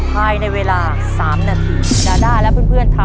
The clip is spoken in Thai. ถ่าย๓นาที